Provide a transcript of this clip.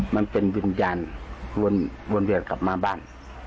มันเป็นวิญญาณวนเวียนกลับมาบ้าน